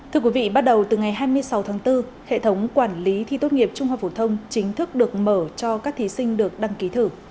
thưa quý vị bắt đầu từ ngày hai mươi sáu tháng bốn hệ thống quản lý thi tốt nghiệp trung học phổ thông chính thức được mở cho các thí sinh được đăng ký thử